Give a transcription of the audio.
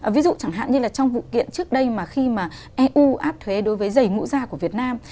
ví dụ chẳng hạn như là trong vụ kiện trước đây mà khi mà eu áp thuế đối với giày ngũ da của việt nam